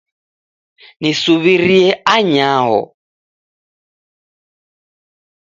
Nisuw'irie anyaho